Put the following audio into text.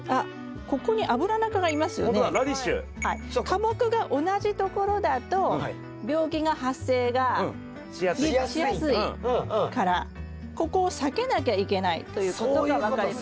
科目が同じところだと病気が発生がしやすいからここを避けなきゃいけないということが分かります。